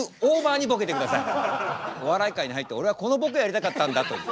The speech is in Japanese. お笑い界に入って俺はこのボケをやりたかったんだという。